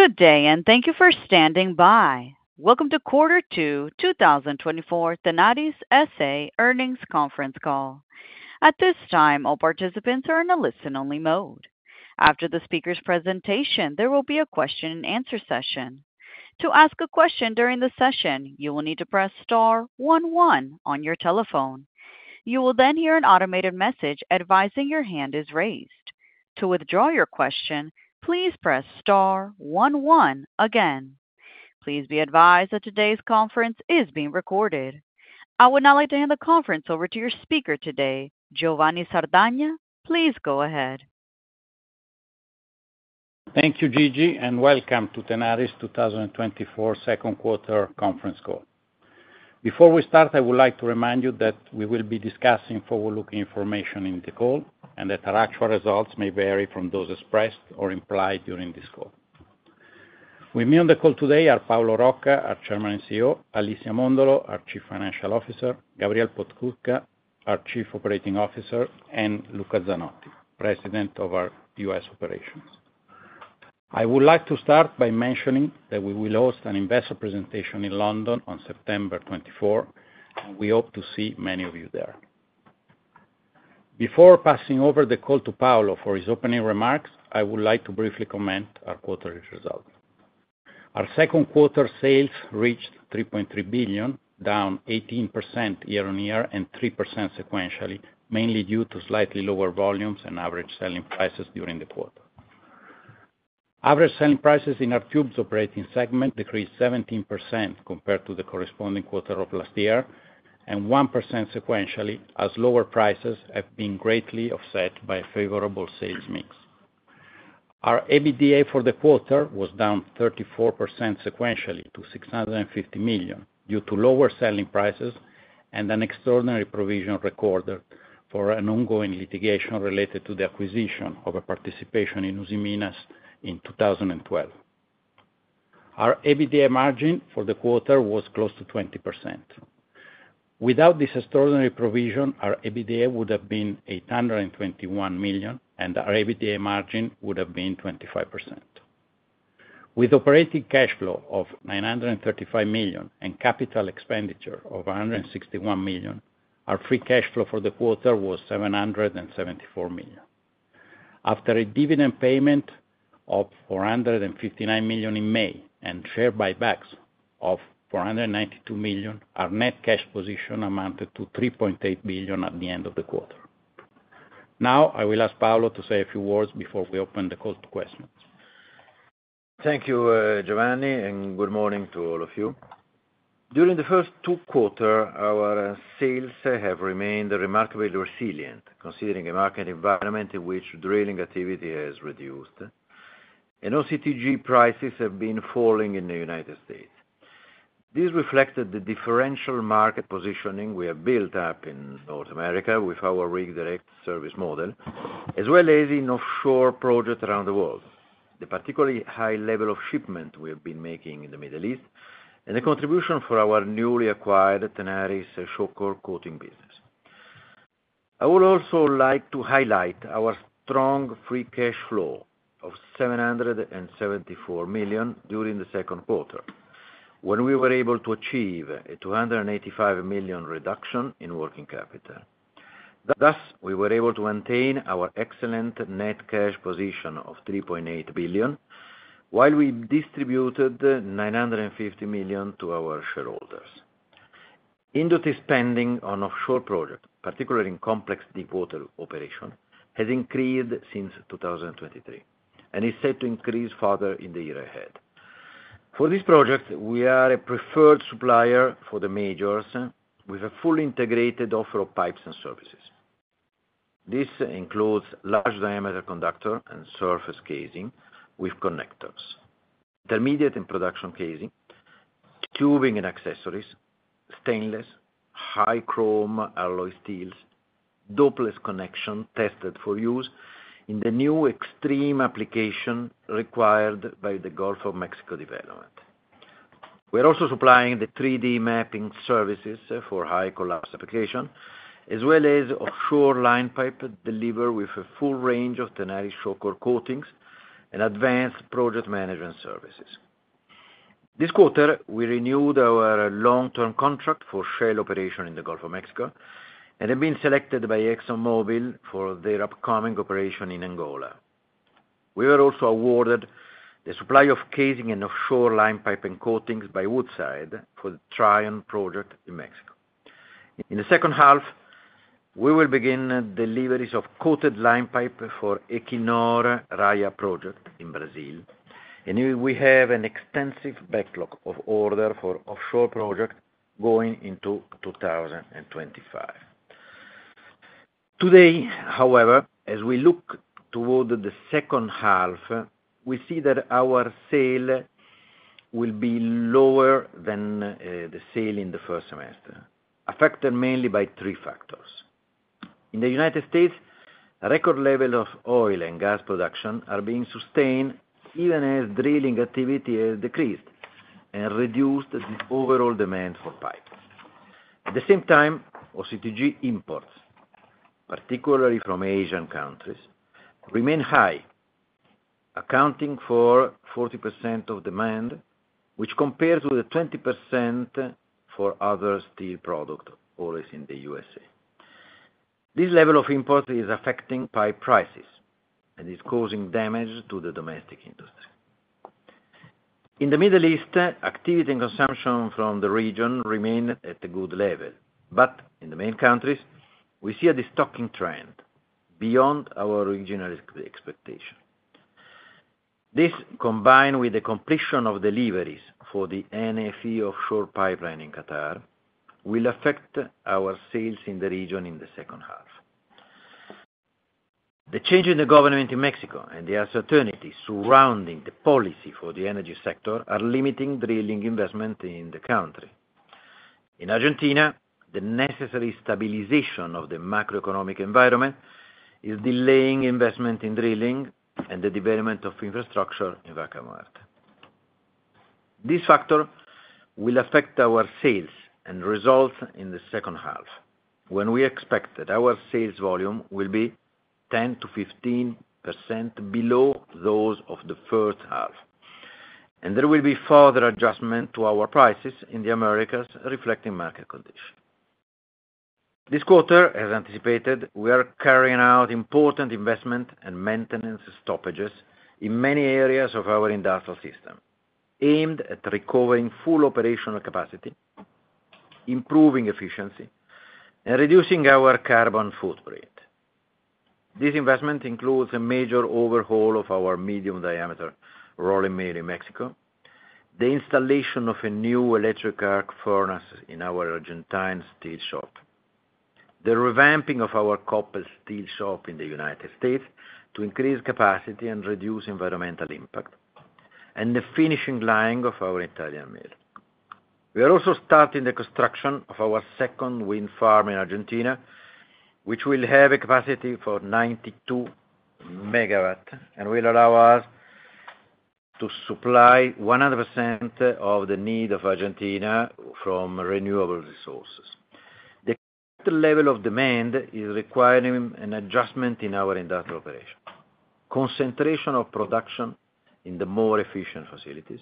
Good day, and thank you for standing by. Welcome to Quarter Two, 2024, Tenaris S.A. Earnings Conference Call. At this time, all participants are in a listen-only mode. After the speaker's presentation, there will be a question-and-answer session. To ask a question during the session, you will need to press Star 11 on your telephone. You will then hear an automated message advising your hand is raised. To withdraw your question, please press Star 11 again. Please be advised that today's conference is being recorded. I would now like to hand the conference over to your speaker today, Giovanni Sardagna. Please go ahead. Thank you, Gigi, and welcome to Tenaris 2024 Second Quarter Conference Call. Before we start, I would like to remind you that we will be discussing forward-looking information in the call and that our actual results may vary from those expressed or implied during this call. With me on the call today are Paolo Rocca, our Chairman and CEO; Alicia Mondolo, our Chief Financial Officer; Gabriel Podskubka, our Chief Operating Officer; and Luca Zanotti, President of our U.S. Operations. I would like to start by mentioning that we will host an investor presentation in London on September 24, and we hope to see many of you there. Before passing over the call to Paolo for his opening remarks, I would like to briefly comment on our quarterly results. Our second quarter sales reached $3.3 billion, down 18% year-on-year and 3% sequentially, mainly due to slightly lower volumes and average selling prices during the quarter. Average selling prices in our tubes operating segment decreased 17% compared to the corresponding quarter of last year and 1% sequentially, as lower prices have been greatly offset by a favorable sales mix. Our EBITDA for the quarter was down 34% sequentially to $650 million due to lower selling prices and an extraordinary provision recorded for an ongoing litigation related to the acquisition of a participation in Usiminas in 2012. Our EBITDA margin for the quarter was close to 20%. Without this extraordinary provision, our EBITDA would have been $821 million, and our EBITDA margin would have been 25%. With operating cash flow of $935 million and capital expenditure of $161 million, our free cash flow for the quarter was $774 million. After a dividend payment of $459 million in May and share buybacks of $492 million, our net cash position amounted to $3.8 billion at the end of the quarter. Now, I will ask Paolo to say a few words before we open the call to questions. Thank you, Giovanni, and good morning to all of you. During the first two quarters, our sales have remained remarkably resilient, considering a market environment in which drilling activity has reduced and OCTG prices have been falling in the United States. This reflects the differential market positioning we have built up in North America with our Rig Direct service model, as well as in offshore projects around the world, the particularly high level of shipment we have been making in the Middle East, and the contribution for our newly acquired Tenaris Shawcor coating business. I would also like to highlight our strong free cash flow of $774 million during the second quarter, when we were able to achieve a $285 million reduction in working capital. Thus, we were able to maintain our excellent net cash position of $3.8 billion, while we distributed $950 million to our shareholders. Industry spending on offshore projects, particularly in complex deep-water operations, has increased since 2023 and is set to increase further in the year ahead. For these projects, we are a preferred supplier for the majors, with a fully integrated offer of pipes and services. This includes large-diameter conductor and surface casing with connectors, intermediate in production casing, tubing and accessories, stainless, high-chrome alloy steels, Dopeless connection tested for use in the new extreme application required by the Gulf of Mexico development. We are also supplying the 3D mapping services for high-collapse application, as well as offshore line pipe delivery with a full range of Tenaris Shawcor coatings and advanced project management services. This quarter, we renewed our long-term contract for shale operation in the Gulf of Mexico and have been selected by ExxonMobil for their upcoming operation in Angola. We were also awarded the supply of casing and offshore line pipe and coatings by Woodside for the Trion project in Mexico. In the second half, we will begin deliveries of coated line pipe for Equinor Raia project in Brazil, and we have an extensive backlog of orders for offshore projects going into 2025. Today, however, as we look toward the second half, we see that our sales will be lower than the sales in the first semester, affected mainly by three factors. In the United States, record levels of oil and gas production are being sustained even as drilling activity has decreased and reduced the overall demand for pipes. At the same time, OCTG imports, particularly from Asian countries, remain high, accounting for 40% of demand, which compares with the 20% for other steel products always in the USA. This level of import is affecting pipe prices and is causing damage to the domestic industry. In the Middle East, activity and consumption from the region remain at a good level, but in the main countries, we see a destocking trend beyond our original expectation. This, combined with the completion of deliveries for the NFE offshore pipeline in Qatar, will affect our sales in the region in the second half. The change in the government in Mexico and the uncertainties surrounding the policy for the energy sector are limiting drilling investment in the country. In Argentina, the necessary stabilization of the macroeconomic environment is delaying investment in drilling and the development of infrastructure in Vaca Muerta. These factors will affect our sales and results in the second half, when we expect that our sales volume will be 10%-15% below those of the first half, and there will be further adjustment to our prices in the Americas, reflecting market conditions. This quarter, as anticipated, we are carrying out important investment and maintenance stoppages in many areas of our industrial system, aimed at recovering full operational capacity, improving efficiency, and reducing our carbon footprint. This investment includes a major overhaul of our medium-diameter rolling mill in Mexico, the installation of a new electric arc furnace in our Argentine steel shop, the revamping of our carbon steel shop in the United States to increase capacity and reduce environmental impact, and the finishing line of our Italian mill. We are also starting the construction of our second wind farm in Argentina, which will have a capacity for 92 megawatts and will allow us to supply 100% of the need of Argentina from renewable resources. The current level of demand is requiring an adjustment in our industrial operation, concentration of production in the more efficient facilities,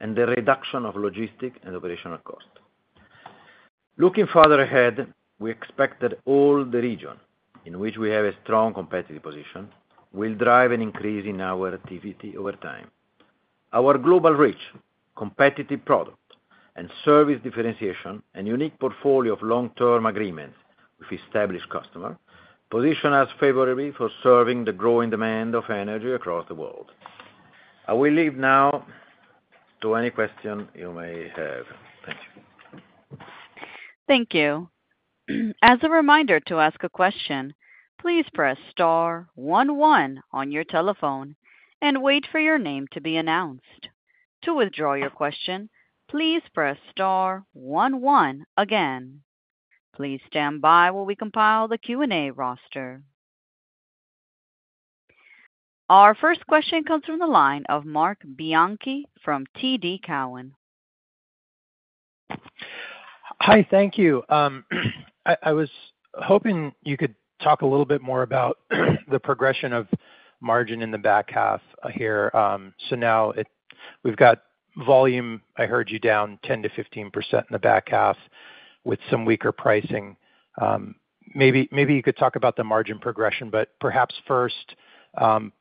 and the reduction of logistic and operational costs. Looking further ahead, we expect that all the region in which we have a strong competitive position will drive an increase in our activity over time. Our global reach, competitive product, and service differentiation, and unique portfolio of long-term agreements with established customers position us favorably for serving the growing demand of energy across the world. I will leave now to any question you may have. Thank you. Thank you. As a reminder to ask a question, please press Star 11 on your telephone and wait for your name to be announced. To withdraw your question, please press Star 11 again. Please stand by while we compile the Q&A roster. Our first question comes from the line of Mark Bianchi from TD Cowen. Hi, thank you. I was hoping you could talk a little bit more about the progression of margin in the back half here. So now we've got volume, I heard you, down 10%-15% in the back half with some weaker pricing. Maybe you could talk about the margin progression, but perhaps first,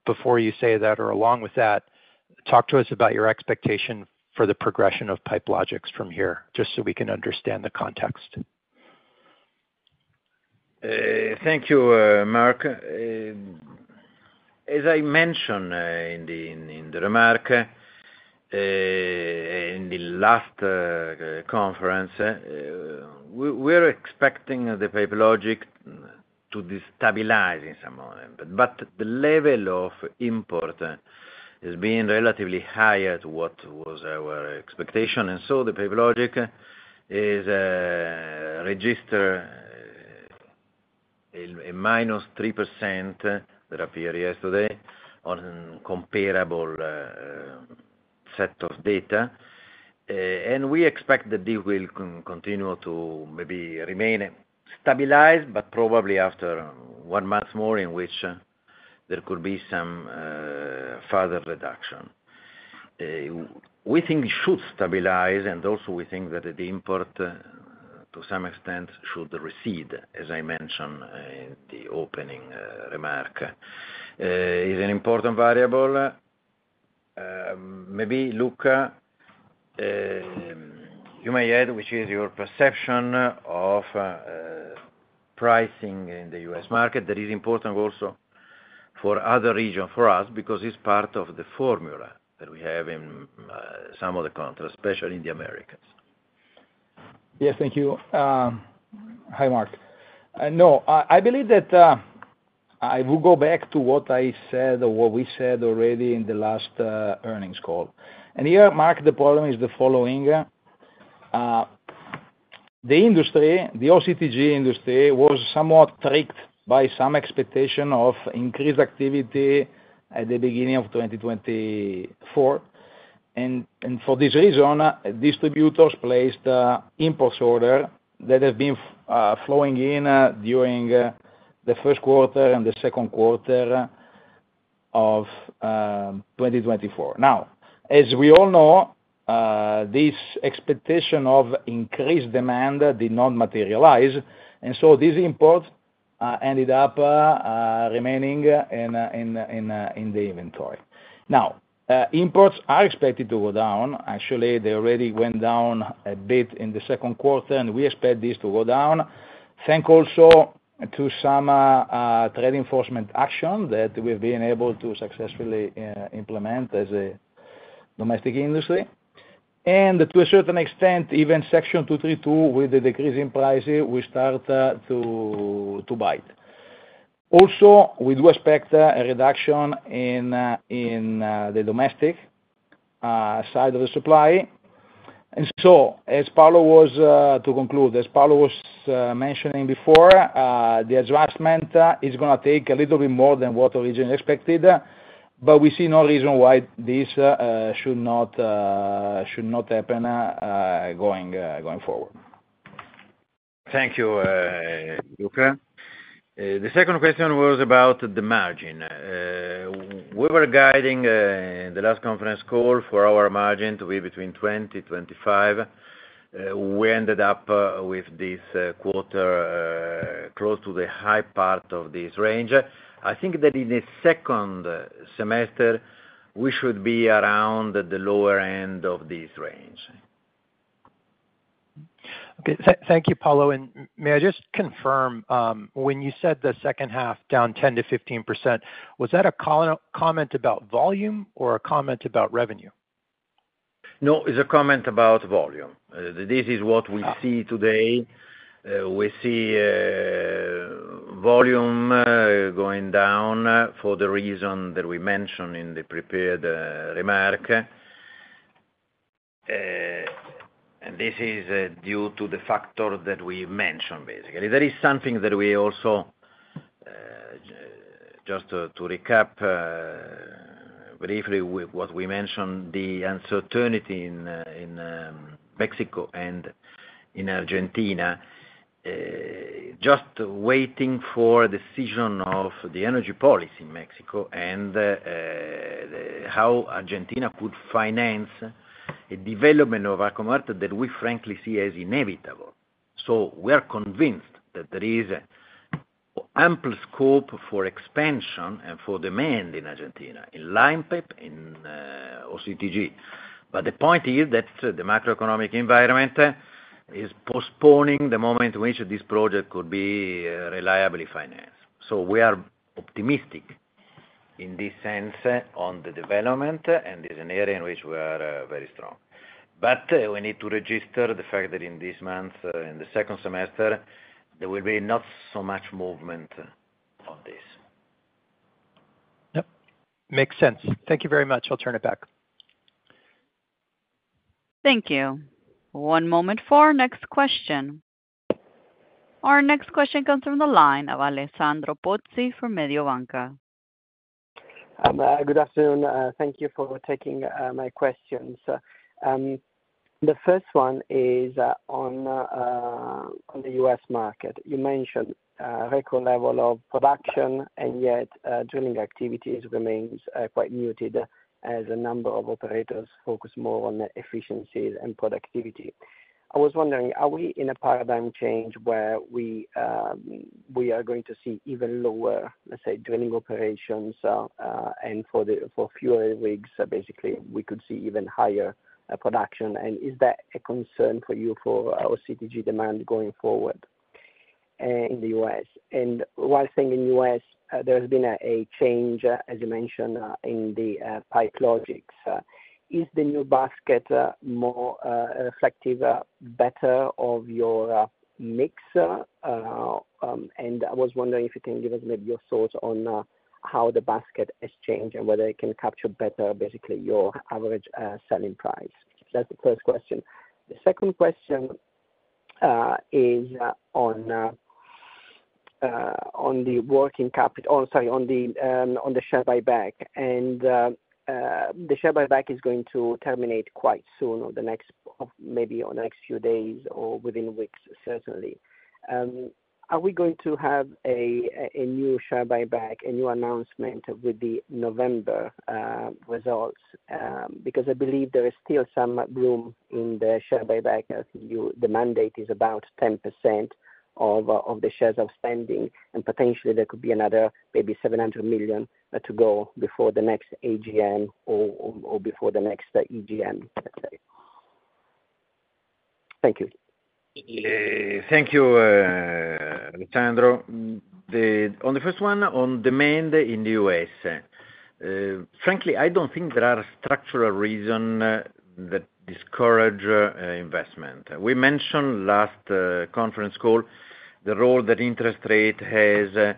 before you say that or along with that, talk to us about your expectation for the progression of Pipe Logix from here, just so we can understand the context. Thank you, Mark. As I mentioned in the remark in the last conference, we're expecting the PipeLogix to destabilize in some moment, but the level of import has been relatively higher to what was our expectation. And so the PipeLogix is registered at -3% that appeared yesterday on a comparable set of data. And we expect that this will continue to maybe remain stabilized, but probably after one month more in which there could be some further reduction. We think it should stabilize, and also we think that the import, to some extent, should recede, as I mentioned in the opening remark. It is an important variable. Maybe, Luca, you may add, which is your perception of pricing in the U.S. market that is important also for other regions, for us, because it's part of the formula that we have in some of the countries, especially in the Americas. Yes, thank you. Hi, Mark. No, I believe that I will go back to what I said or what we said already in the last earnings call. And here, Mark, the problem is the following. The industry, the OCTG industry, was somewhat tricked by some expectation of increased activity at the beginning of 2024. And for this reason, distributors placed import orders that have been flowing in during the first quarter and the second quarter of 2024. Now, as we all know, this expectation of increased demand did not materialize, and so these imports ended up remaining in the inventory. Now, imports are expected to go down. Actually, they already went down a bit in the second quarter, and we expect this to go down, thanks also to some trade enforcement action that we've been able to successfully implement as a domestic industry. And to a certain extent, even Section 232, with the decrease in prices, we start to bite. Also, we do expect a reduction in the domestic side of the supply. And so, as Paolo was to conclude, as Paolo was mentioning before, the adjustment is going to take a little bit more than what originally expected, but we see no reason why this should not happen going forward. Thank you, Luca. The second question was about the margin. We were guiding the last conference call for our margin to be between 20%-25%. We ended up with this quarter close to the high part of this range. I think that in the second semester, we should be around the lower end of this range. Okay. Thank you, Paolo. May I just confirm, when you said the second half down 10%-15%, was that a comment about volume or a comment about revenue? No, it's a comment about volume. This is what we see today. We see volume going down for the reason that we mentioned in the prepared remark. This is due to the factor that we mentioned, basically. There is something that we also, just to recap briefly what we mentioned, the uncertainty in Mexico and in Argentina, just waiting for a decision of the energy policy in Mexico and how Argentina could finance a development of Vaca Muerta that we, frankly, see as inevitable. So we are convinced that there is ample scope for expansion and for demand in Argentina, in line pipe, in OCTG. But the point is that the macroeconomic environment is postponing the moment in which this project could be reliably financed. So we are optimistic in this sense on the development, and it's an area in which we are very strong. But we need to register the fact that in this month, in the second semester, there will be not so much movement of this. Yep. Makes sense. Thank you very much. I'll turn it back. Thank you. One moment for our next question. Our next question comes from the line of Alessandro Pozzi from Mediobanca. Good afternoon. Thank you for taking my questions. The first one is on the U.S. market. You mentioned record level of production, and yet drilling activities remain quite muted as a number of operators focus more on efficiency and productivity. I was wondering, are we in a paradigm change where we are going to see even lower, let's say, drilling operations, and for fewer rigs, basically, we could see even higher production? And is that a concern for you for OCTG demand going forward in the U.S.? And while saying in the U.S., there has been a change, as you mentioned, in the PipeLogix. Is the new basket more effective, better of your mix? And I was wondering if you can give us maybe your thoughts on how the basket has changed and whether it can capture better, basically, your average selling price. That's the first question. The second question is on the working capital, sorry, on the share buyback. The share buyback is going to terminate quite soon, maybe in the next few days or within weeks, certainly. Are we going to have a new share buyback, a new announcement with the November results? Because I believe there is still some room in the share buyback. The mandate is about 10% of the shares outstanding, and potentially, there could be another maybe $700 million to go before the next AGM or before the next EGM, let's say. Thank you. Thank you, Alessandro. On the first one, on demand in the U.S., frankly, I don't think there are structural reasons that discourage investment. We mentioned last conference call the role that interest rate has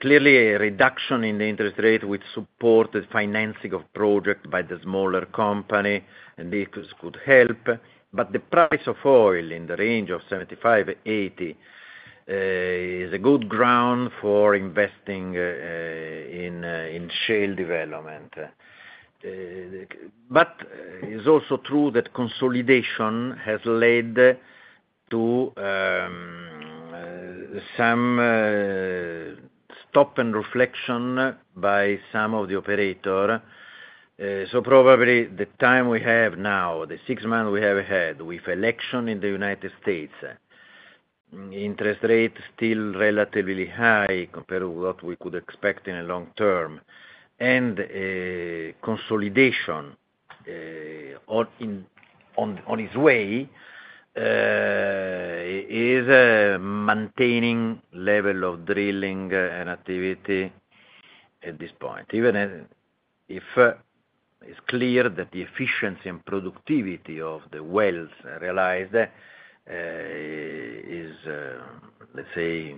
clearly a reduction in the interest rate with supported financing of projects by the smaller company, and this could help. But the price of oil in the range of $75-$80 is a good ground for investing in shale development. But it's also true that consolidation has led to some stop and reflection by some of the operators. So probably the time we have now, the six months we have ahead with election in the United States, interest rate still relatively high compared with what we could expect in the long term. And consolidation on its way is maintaining level of drilling and activity at this point. Even if it's clear that the efficiency and productivity of the wells realized is, let's say,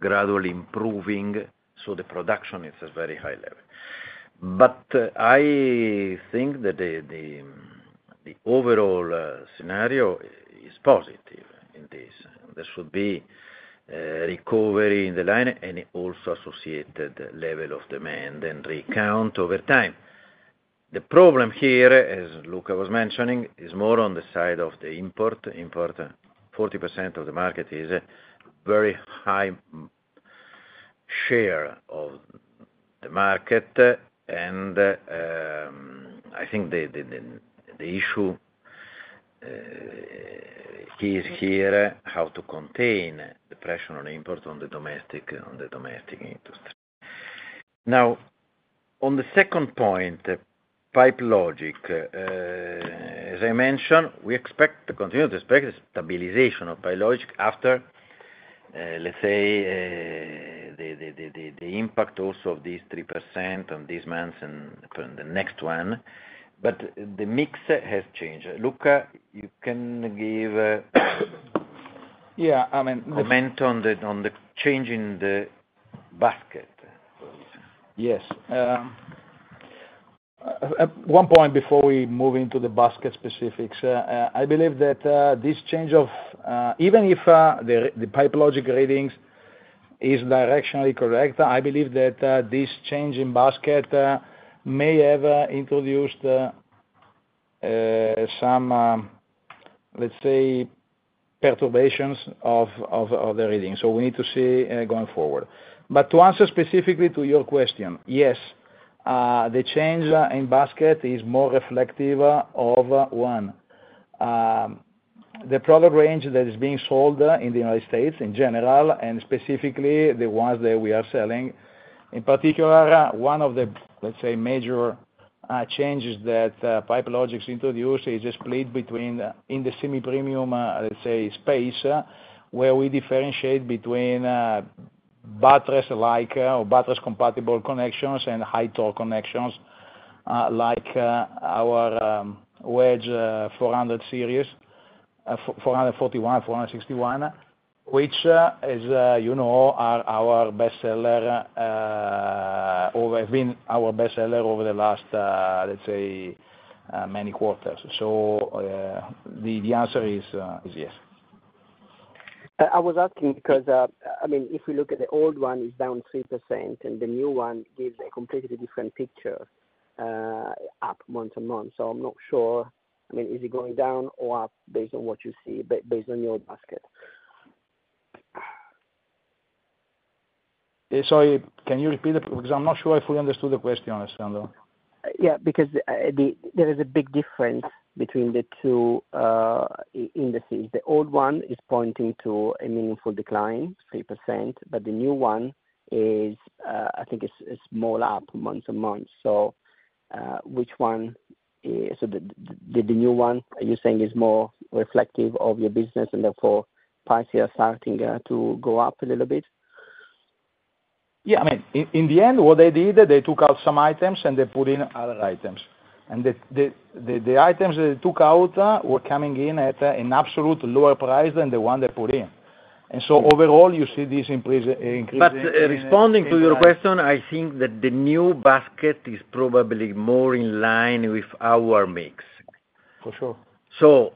gradually improving, so the production is at a very high level. But I think that the overall scenario is positive in this. There should be recovery in the line and also associated level of demand and recount over time. The problem here, as Luca was mentioning, is more on the side of the import. Import, 40% of the market is a very high share of the market. And I think the issue is here how to contain the pressure on import on the domestic industry. Now, on the second point, PipeLogix, as I mentioned, we expect to continue to expect the stabilization of PipeLogix after, let's say, the impact also of this 3% on these months and the next one. But the mix has changed. Luca, you can give a comment on the change in the basket. Yes. One point before we move into the basket specifics. I believe that this change, even if the PipeLogix readings is directionally correct, I believe that this change in basket may have introduced some, let's say, perturbations of the reading. So we need to see going forward. But to answer specifically to your question, yes, the change in basket is more reflective of, one, the product range that is being sold in the United States in general, and specifically the ones that we are selling. In particular, one of the, let's say, major changes that PipeLogix introduced is a split between in the semi-premium, let's say, space where we differentiate between buttress-like or buttress-compatible connections and high-torque connections like our Wedge 400 series, 441, 461, which are our best seller or have been our best seller over the last, let's say, many quarters. The answer is yes. I was asking because, I mean, if we look at the old one, it's down 3%, and the new one gives a completely different picture up month-to-month. So I'm not sure, I mean, is it going down or up based on what you see, based on your basket? Sorry, can you repeat it? Because I'm not sure if we understood the question, Alessandro. Yeah, because there is a big difference between the two indices. The old one is pointing to a meaningful decline, 3%, but the new one is, I think, a small up month-to-month. So which one is the new one? Are you saying it's more reflective of your business, and therefore, prices are starting to go up a little bit? Yeah. I mean, in the end, what they did, they took out some items and they put in other items. The items they took out were coming in at an absolute lower price than the one they put in. So overall, you see this increase. Responding to your question, I think that the new basket is probably more in line with our mix. For sure. So,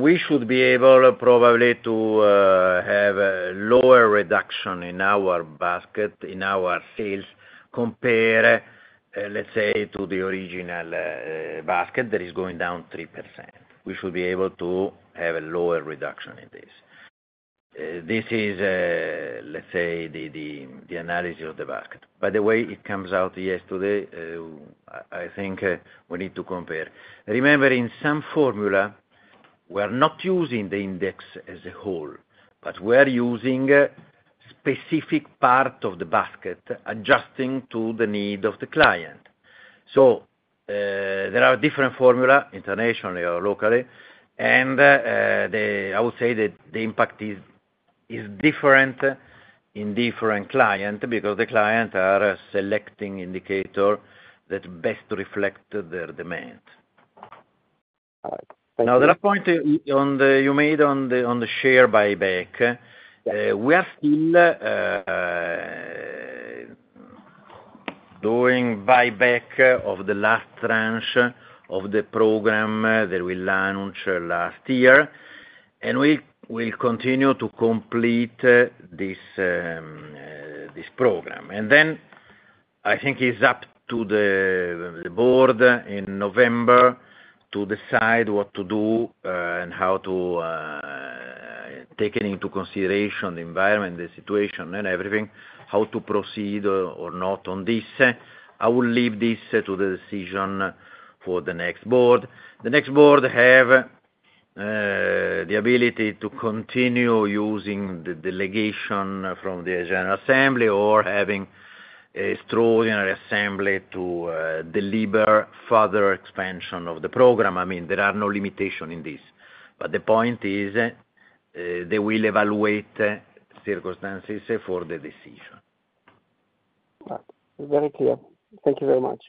we should be able probably to have a lower reduction in our basket, in our sales, compare, let's say, to the original basket that is going down 3%. We should be able to have a lower reduction in this. This is, let's say, the analysis of the basket. By the way, it comes out yesterday. I think we need to compare. Remember, in some formula, we are not using the index as a whole, but we are using specific parts of the basket adjusting to the need of the client. So there are different formulas, internationally or locally, and I would say that the impact is different in different clients because the clients are selecting indicators that best reflect their demand. All right. Thank you. Now, the last point you made on the share buyback, we are still doing buyback of the last tranche of the program that we launched last year, and we'll continue to complete this program. And then I think it's up to the board in November to decide what to do and how to take into consideration the environment, the situation, and everything, how to proceed or not on this. I will leave this to the decision for the next board. The next board has the ability to continue using the delegation from the General Assembly or having an extraordinary assembly to deliver further expansion of the program. I mean, there are no limitations in this. But the point is they will evaluate circumstances for the decision. All right. Very clear. Thank you very much.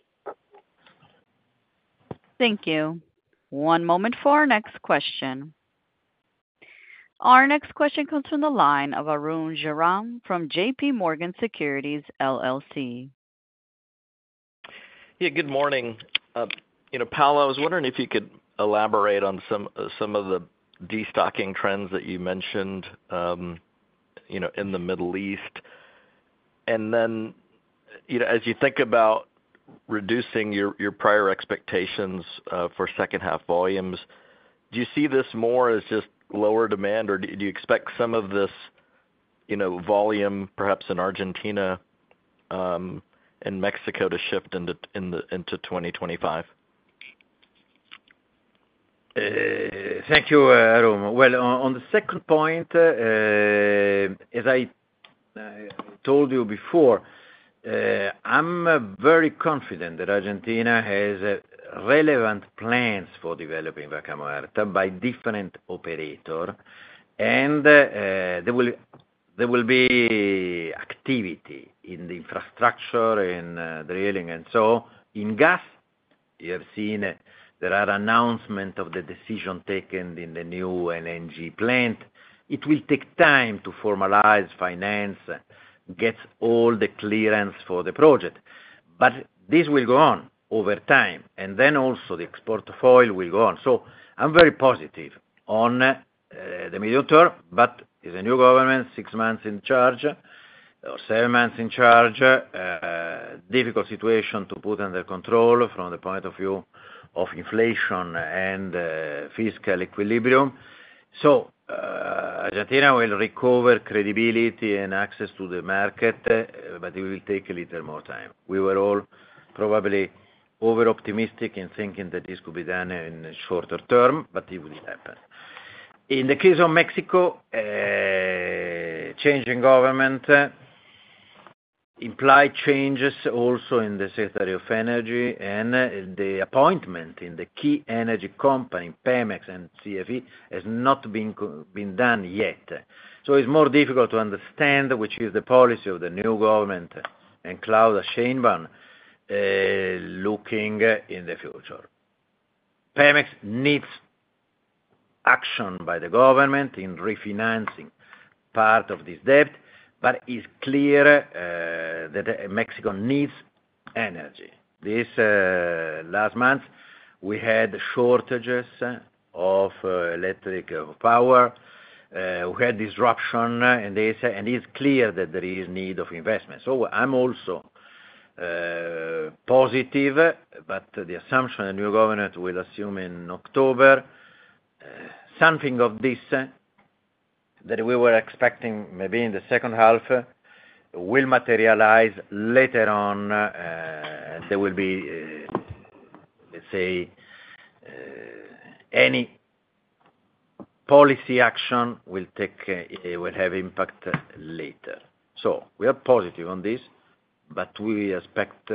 Thank you. One moment for our next question. Our next question comes from the line of Arun Jayaram from JPMorgan Securities LLC. Yeah, good morning. Paolo, I was wondering if you could elaborate on some of the destocking trends that you mentioned in the Middle East. And then as you think about reducing your prior expectations for second-half volumes, do you see this more as just lower demand, or do you expect some of this volume, perhaps in Argentina and Mexico, to shift into 2025? Thank you, Arun. Well, on the second point, as I told you before, I'm very confident that Argentina has relevant plans for developing Vaca Muerta by different operators, and there will be activity in the infrastructure and drilling. And so in gas, you have seen there are announcements of the decision taken in the new LNG plant. It will take time to formalize finance, get all the clearance for the project. But this will go on over time. And then also the export of oil will go on. So I'm very positive on the medium term, but it's a new government, six months in charge or seven months in charge, difficult situation to put under control from the point of view of inflation and fiscal equilibrium. So Argentina will recover credibility and access to the market, but it will take a little more time. We were all probably over-optimistic in thinking that this could be done in a shorter term, but it will happen. In the case of Mexico, changing government implies changes also in the Secretary of Energy, and the appointment in the key energy company, Pemex and CFE, has not been done yet. So it's more difficult to understand which is the policy of the new government and Claudia Sheinbaum looking in the future. Pemex needs action by the government in refinancing part of this debt, but it's clear that Mexico needs energy. This last month, we had shortages of electric power. We had disruption in this, and it's clear that there is a need for investment. So I'm also positive, but the assumption the new government will assume in October something of this that we were expecting maybe in the second half will materialize later on, and there will be, let's say, any policy action will have impact later. So we are positive on this, but we expect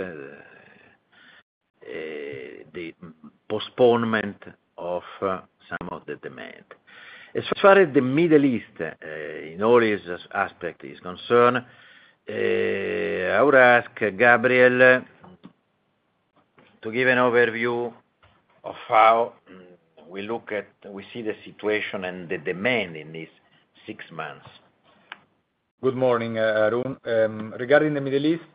the postponement of some of the demand. As far as the Middle East, in all its aspects, is concerned, I would ask Gabriel to give an overview of how we look at, we see the situation and the demand in these six months. Good morning, Arun. Regarding the Middle East,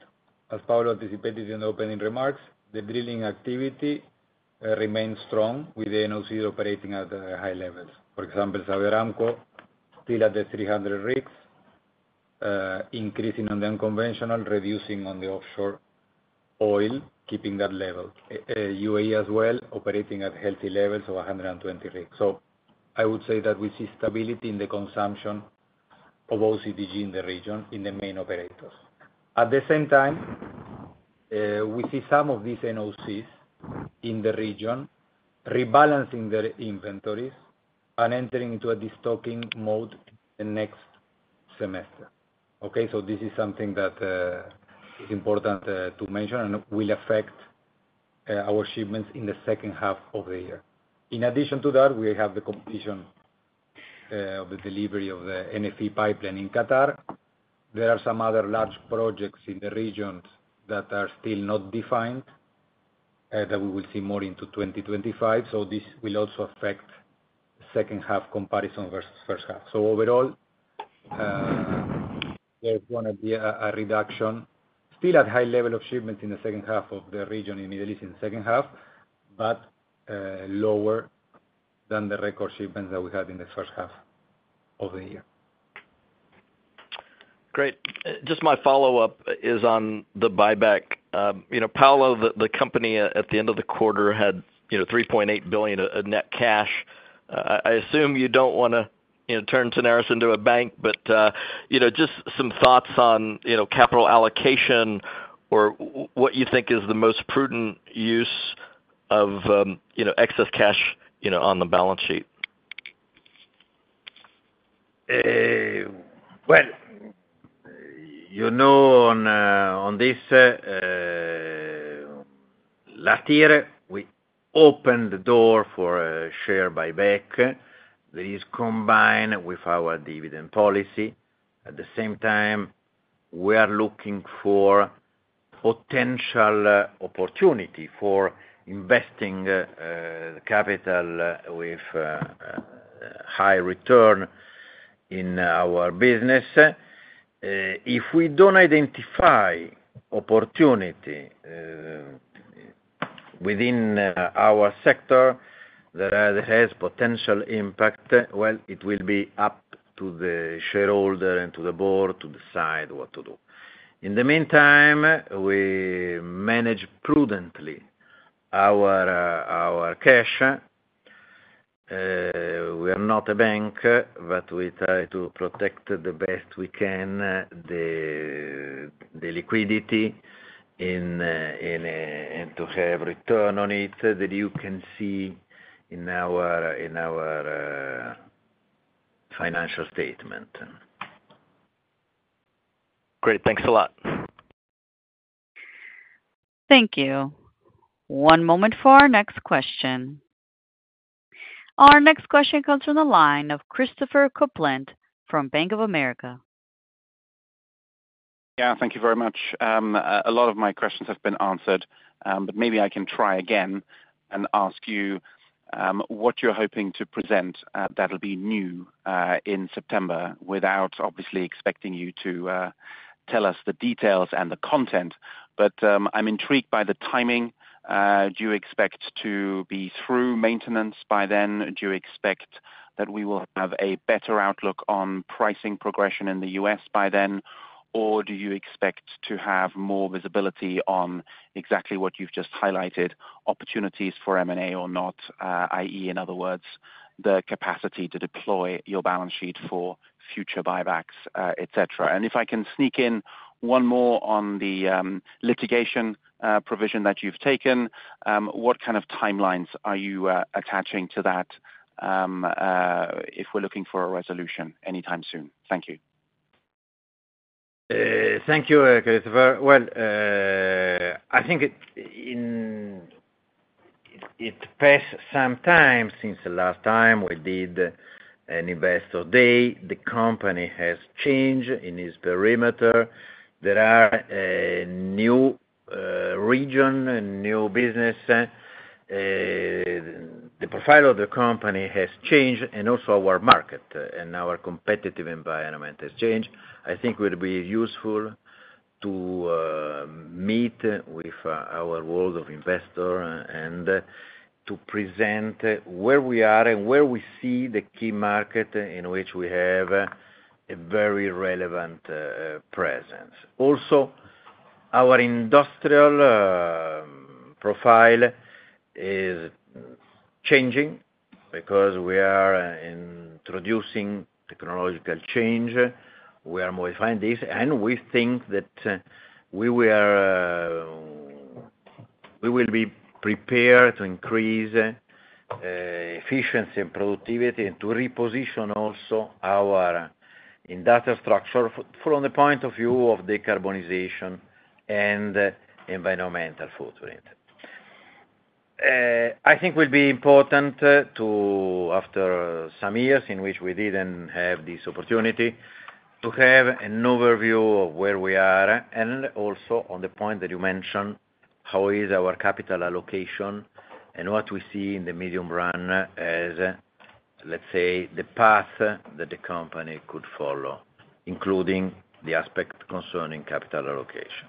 as Paolo anticipated in the opening remarks, the drilling activity remains strong with the NOC operating at high levels. For example, Saudi Aramco still at the 300 rigs, increasing on the unconventional, reducing on the offshore oil, keeping that level. UAE as well, operating at healthy levels of 120 rigs. So I would say that we see stability in the consumption of OCTG in the region in the main operators. At the same time, we see some of these NOCs in the region rebalancing their inventories and entering into a destocking mode in the next semester. Okay? So this is something that is important to mention and will affect our shipments in the second half of the year. In addition to that, we have the completion of the delivery of the NFE pipeline in Qatar. There are some other large projects in the region that are still not defined that we will see more into 2025. So this will also affect the second half comparison versus first half. So overall, there's going to be a reduction, still at high level of shipments in the second half of the region in the Middle East in the second half, but lower than the record shipments that we had in the first half of the year. Great. Just my follow-up is on the buyback. Paolo, the company at the end of the quarter had $3.8 billion of net cash. I assume you don't want to turn Tenaris into a bank, but just some thoughts on capital allocation or what you think is the most prudent use of excess cash on the balance sheet. Well, you know, on this last year, we opened the door for a share buyback that is combined with our dividend policy. At the same time, we are looking for potential opportunity for investing capital with high return in our business. If we don't identify opportunity within our sector that has potential impact, well, it will be up to the shareholder and to the board to decide what to do. In the meantime, we manage prudently our cash. We are not a bank, but we try to protect the best we can the liquidity and to have return on it that you can see in our financial statement. Great. Thanks a lot. Thank you. One moment for our next question. Our next question comes from the line of Chris Kuplent from Bank of America. Yeah, thank you very much. A lot of my questions have been answered, but maybe I can try again and ask you what you're hoping to present that'll be new in September without, obviously, expecting you to tell us the details and the content. But I'm intrigued by the timing. Do you expect to be through maintenance by then? Do you expect that we will have a better outlook on pricing progression in the US by then? Or do you expect to have more visibility on exactly what you've just highlighted, opportunities for M&A or not, i.e., in other words, the capacity to deploy your balance sheet for future buybacks, etc.? And if I can sneak in one more on the litigation provision that you've taken, what kind of timelines are you attaching to that if we're looking for a resolution anytime soon? Thank you. Thank you, Christopher. Well, I think it passed some time since the last time we did an investor day. The company has changed in its perimeter. There are new region, new business. The profile of the company has changed, and also our market and our competitive environment has changed. I think it will be useful to meet with our world of investors and to present where we are and where we see the key market in which we have a very relevant presence. Also, our industrial profile is changing because we are introducing technological change. We are modifying this, and we think that we will be prepared to increase efficiency and productivity and to reposition also our industry structure from the point of view of decarbonization and environmental footprint. I think it will be important to, after some years in which we didn't have this opportunity, to have an overview of where we are and also on the point that you mentioned, how is our capital allocation and what we see in the medium run as, let's say, the path that the company could follow, including the aspect concerning capital allocation.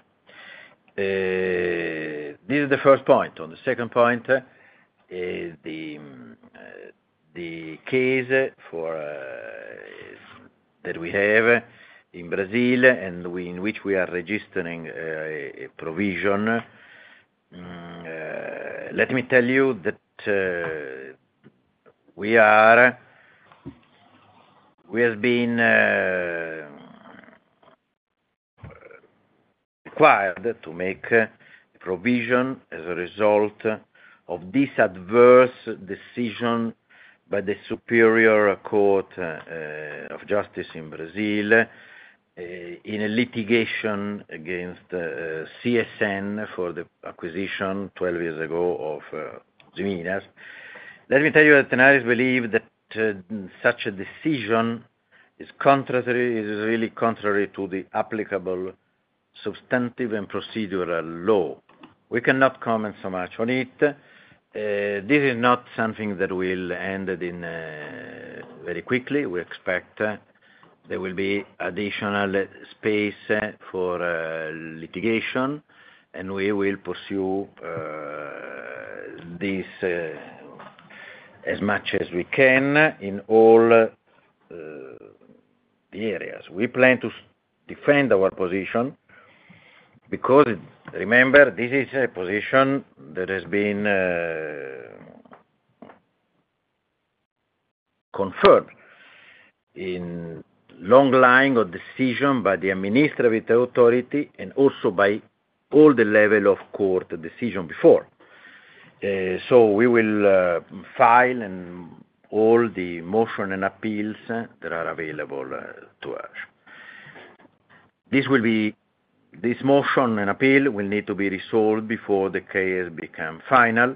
This is the first point. On the second point is the case that we have in Brazil in which we are registering a provision. Let me tell you that we have been required to make a provision as a result of this adverse decision by the Superior Court of Justice in Brazil in a litigation against CSN for the acquisition 12 years ago of Usiminas. Let me tell you that Tenaris believes that such a decision is really contrary to the applicable substantive and procedural law. We cannot comment so much on it. This is not something that will end very quickly. We expect there will be additional space for litigation, and we will pursue this as much as we can in all the areas. We plan to defend our position because, remember, this is a position that has been confirmed in a long line of decisions by the administrative authority and also by all levels of court decisions before. So we will file all the motions and appeals that are available to us. These motions and appeals will need to be resolved before the case becomes final,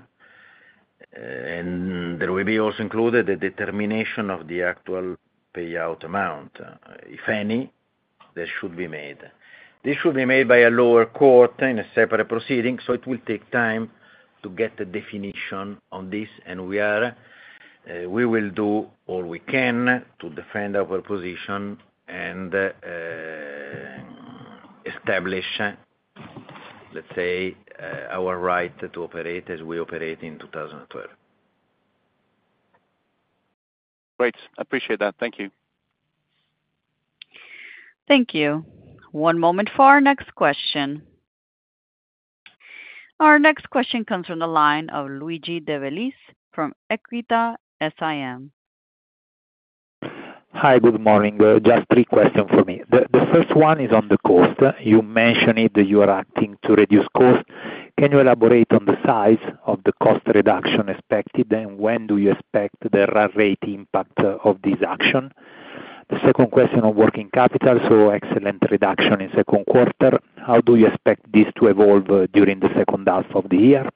and there will also be included the determination of the actual payout amount, if any, that should be made. This should be made by a lower court in a separate proceeding, so it will take time to get a definition on this, and we will do all we can to defend our position and establish, let's say, our right to operate as we operated in 2012. Great. Appreciate that. Thank you. Thank you. One moment for our next question. Our next question comes from the line of Luigi De Bellis from Equita SIM. Hi, good morning. Just three questions for me. The first one is on the cost. You mentioned that you are acting to reduce costs. Can you elaborate on the size of the cost reduction expected, and when do you expect the rate impact of this action? The second question on working capital, so excellent reduction in second quarter. How do you expect this to evolve during the second half of the year?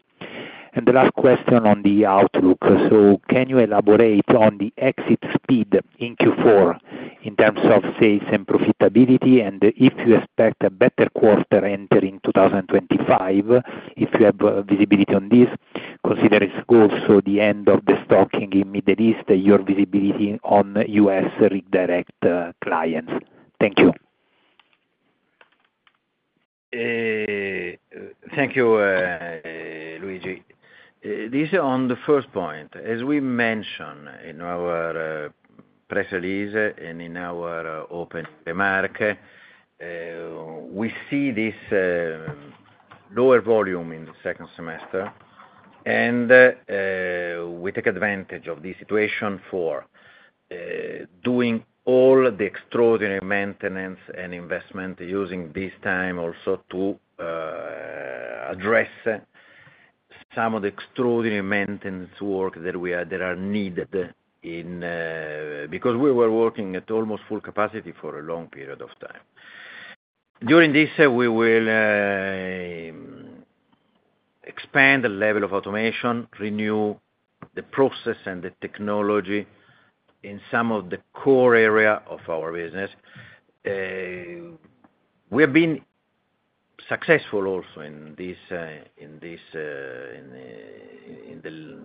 And the last question on the outlook. So can you elaborate on the exit speed in Q4 in terms of sales and profitability, and if you expect a better quarter entering 2025, if you have visibility on this, considering also the end of the destocking in the Middle East, your visibility on U.S. Rig Direct clients? Thank you. Thank you, Luigi. This is on the first point. As we mentioned in our press release and in our opening remark, we see this lower volume in the second semester, and we take advantage of this situation for doing all the extraordinary maintenance and investment, using this time also to address some of the extraordinary maintenance work that are needed because we were working at almost full capacity for a long period of time. During this, we will expand the level of automation, renew the process and the technology in some of the core areas of our business. We have been successful also in this in the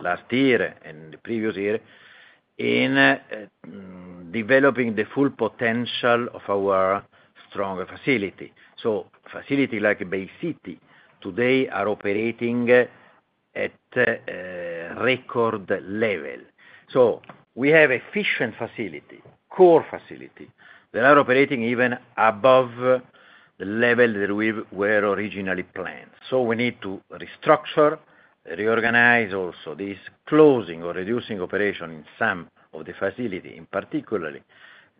last year and the previous year in developing the full potential of our strong facility. So facilities like Bay City today are operating at record level. So we have efficient facilities, core facilities that are operating even above the level that we were originally planned. So we need to restructure, reorganize also this closing or reducing operation in some of the facilities, particularly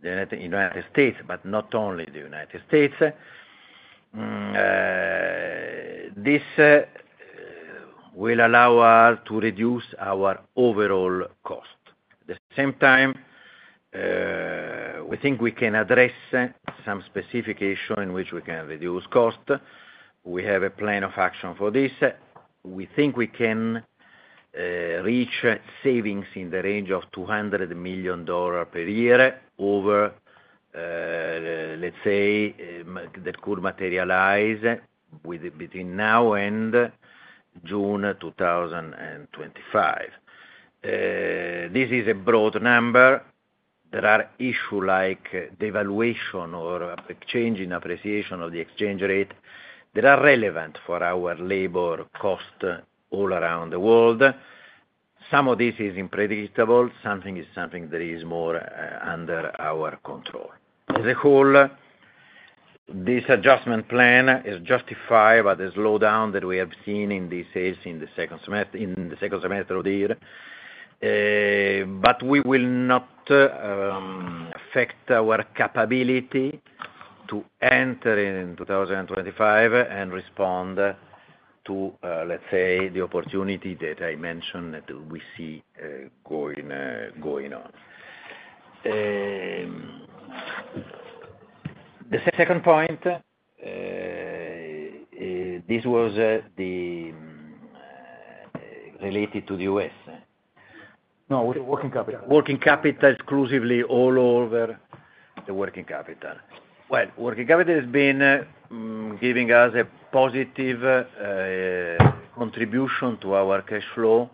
in the United States, but not only the United States. This will allow us to reduce our overall cost. At the same time, we think we can address some specific issues in which we can reduce cost. We have a plan of action for this. We think we can reach savings in the range of $200 million per year over, let's say, that could materialize between now and June 2025. This is a broad number. There are issues like devaluation or change in appreciation of the exchange rate that are relevant for our labor cost all around the world. Some of this is unpredictable. Something is something that is more under our control. As a whole, this adjustment plan is justified by the slowdown that we have seen in the sales in the second semester of the year, but we will not affect our capability to enter in 2025 and respond to, let's say, the opportunity that I mentioned that we see going on. The second point, this was related to the U.S. No, working capital. Working capital exclusively all over the working capital. Well, working capital has been giving us a positive contribution to our cash flow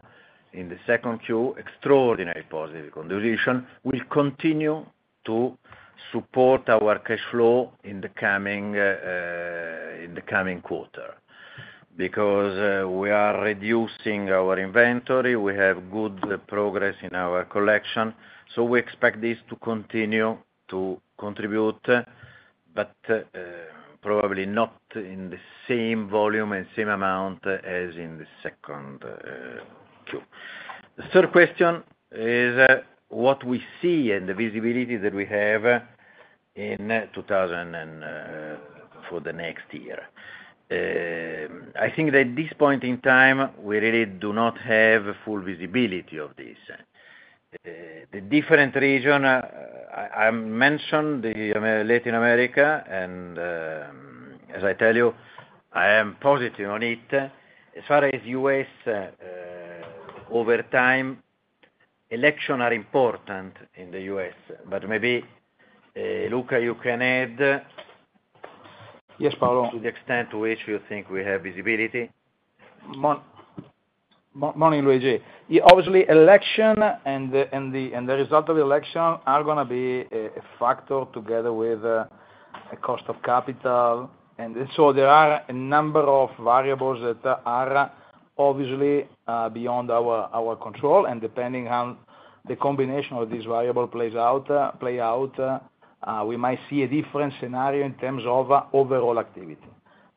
in the second Q, extraordinary positive contribution. We continue to support our cash flow in the coming quarter because we are reducing our inventory. We have good progress in our collection, so we expect this to continue to contribute, but probably not in the same volume and same amount as in the second Q. The third question is what we see and the visibility that we have for the next year. I think that at this point in time, we really do not have full visibility of this. The different region I mentioned, the Latin America, and as I tell you, I am positive on it. As far as U.S. outlook, elections are important in the U.S., but maybe, Luca, you can add. Yes, Paolo. To the extent to which you think we have visibility. Morning, Luigi. Obviously, election and the result of the election are going to be a factor together with the cost of capital. And so there are a number of variables that are obviously beyond our control, and depending on the combination of these variables play out, we might see a different scenario in terms of overall activity.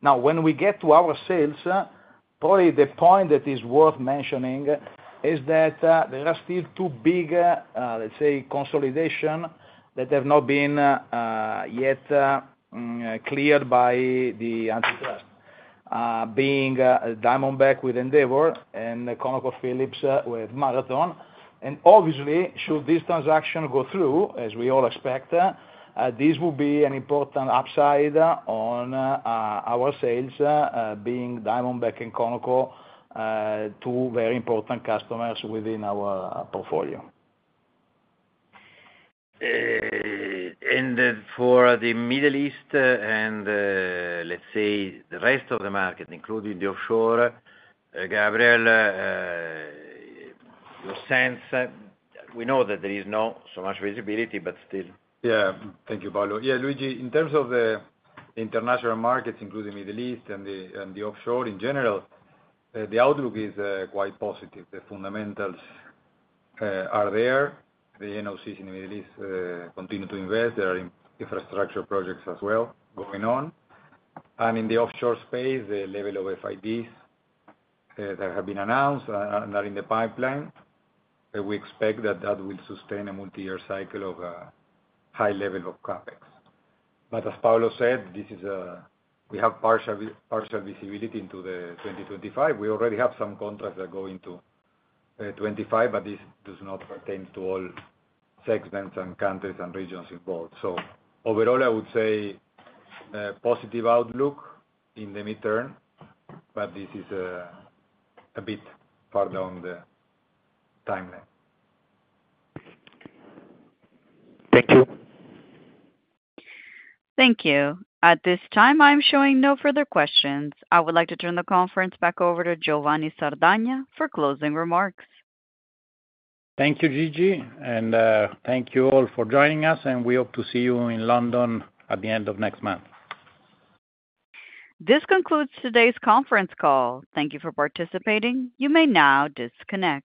Now, when we get to our sales, probably the point that is worth mentioning is that there are still two big, let's say, consolidations that have not been yet cleared by the antitrust, being Diamondback with Endeavor and ConocoPhillips with Marathon. And obviously, should this transaction go through, as we all expect, this will be an important upside on our sales being Diamondback and Conoco to very important customers within our portfolio. And for the Middle East and, let's say, the rest of the market, including the offshore, Gabriel, your sense, we know that there is not so much visibility, but still. Yeah. Thank you, Paolo. Yeah, Luigi, in terms of the international markets, including the Middle East and the offshore in general, the outlook is quite positive. The fundamentals are there. The NOCs in the Middle East continue to invest. There are infrastructure projects as well going on. In the offshore space, the level of FIDs that have been announced and are in the pipeline, we expect that that will sustain a multi-year cycle of a high level of CapEx. As Paolo said, we have partial visibility into 2025. We already have some contracts that go into 2025, but this does not pertain to all segments and countries and regions involved. Overall, I would say positive outlook in the midterm, but this is a bit further on the timeline. Thank you. Thank you. At this time, I'm showing no further questions. I would like to turn the conference back over to Giovanni Sardagna for closing remarks. Thank you, Gigi, and thank you all for joining us, and we hope to see you in London at the end of next month. This concludes today's conference call. Thank you for participating. You may now disconnect.